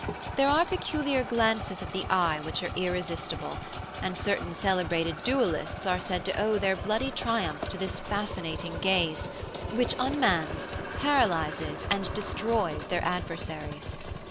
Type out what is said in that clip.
There are peculiar glances of the eye which are irresistible, and certain celebrated duellists are said to owe their bloody triumphs to this fascinating glance, which unmans, paralyses, and destroys their adversaries.